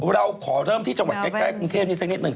เราขอเริ่มที่จังหวัดใกล้กรุงเทพนี้สักนิดหนึ่ง